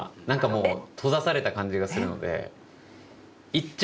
なんかもう閉ざされた感じがするので。